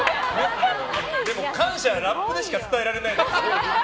でも感謝はラップでしか伝えられないから。